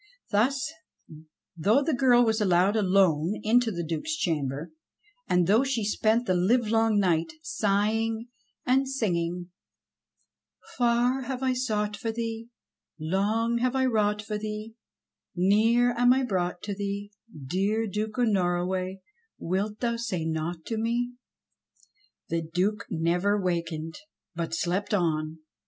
Thus though the girl was allowed alone into the Duke's chamber, and though she spent the livelong night sighing and singing : "Far have I sought for thee, Long have I wrought for thee, Near am I brought to thee, Dear Duke o' Norroway, Wilt thou say naught to me " the Duke never wakened, but slept on.